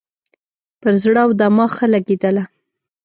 پر زړه او دماغ ښه لګېدله.